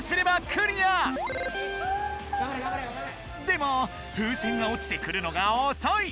でも風船がおちてくるのがおそい！